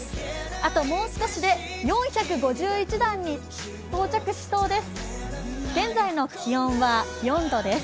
あともう少しで４５１段に到着しそうです。